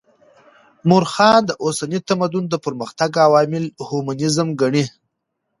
مؤرخان د اوسني تمدن د پرمختګ عوامل هیومنيزم ګڼي.